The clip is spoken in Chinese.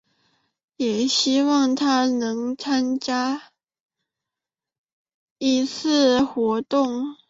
也希望她能参加下一次的活动。